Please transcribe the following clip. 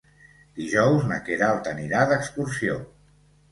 Dijous na Queralt anirà d'excursió.